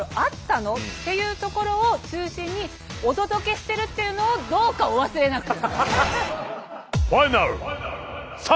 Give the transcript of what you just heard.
いうところを中心にお届けしてるっていうのをどうかお忘れなく。